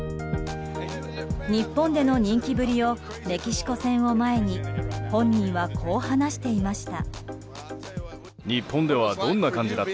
日本での人気ぶりをメキシコ戦を前に本人はこう話していました。